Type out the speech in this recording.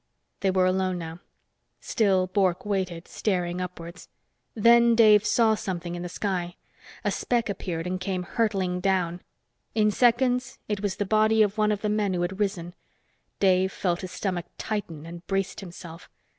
They were alone now. Still Bork waited, staring upwards. Then Dave saw something in the sky. A speck appeared and came hurtling down. In seconds, it was the body of one of the men who had risen. Dave felt his stomach tighten and braced himself.